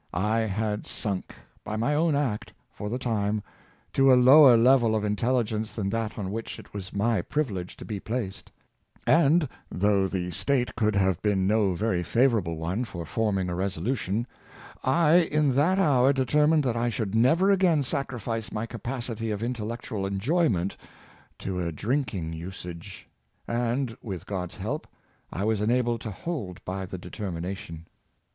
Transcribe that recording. I had sunk, by my own act, for the time, to a lower level of intelli gence than that on which it was my privilege to be placed; and, though the state could have been no very favorable one for forming a resolution, I in that hour 390 Proverbs on Money mahing, determined that I should never again sacrifice my ca pacity of intellectual enjoyment to a drinking usage; and, with God's help, I was enabled to hold by the de termination."